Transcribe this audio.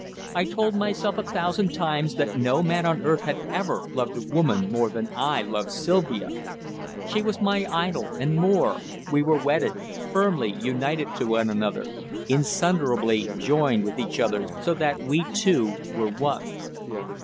I told myself a thousand times that no man on earth had ever loved a woman more than I loved Sylvia. She was my idol, and more, we were wedded, firmly united to one another, insunderably joined with each other so that we two were one.